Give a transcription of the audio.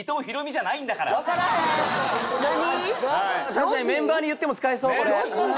確かにメンバーに言っても使えそうこれ！